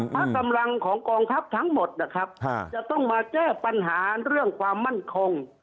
พระกำลังของกองทัพทั้งหมดนะครับจะต้องมาแก้ปัญหาเรื่องความมั่นคง